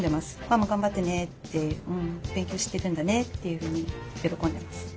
「ママ頑張ってね」って「勉強してるんだね」というふうに喜んでます。